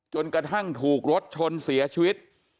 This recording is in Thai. จนกระทั่งถูกรถชนเสียชีวิต